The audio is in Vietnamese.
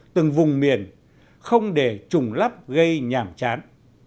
từng vùng miền không để trùng lắp gây nhàm chán